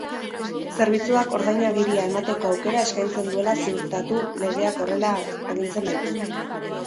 Zerbitzuak ordainagiria emateko aukera eskaintzen duela ziurtatu, legeak horrela agintzen baitu.